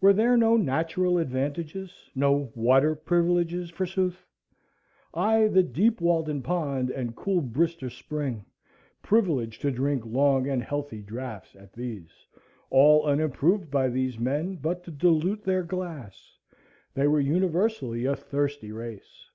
Were there no natural advantages,—no water privileges, forsooth? Ay, the deep Walden Pond and cool Brister's Spring,—privilege to drink long and healthy draughts at these, all unimproved by these men but to dilute their glass. They were universally a thirsty race.